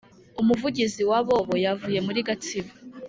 umuvugizi wa bobo yavuye muri gatsibo